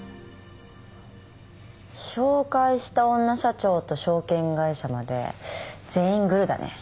紹介した女社長と証券会社まで全員グルだね。